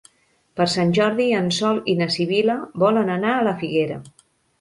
Per Sant Jordi en Sol i na Sibil·la volen anar a la Figuera.